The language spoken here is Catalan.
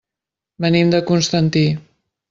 Venim de Constantí.